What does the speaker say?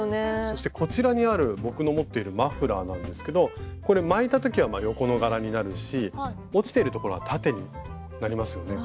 そしてこちらにある僕の持っているマフラーなんですけどこれ巻いた時は横の柄になるし落ちてるところは縦になりますよね。